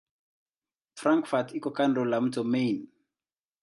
Frankfurt iko kando la mto Main.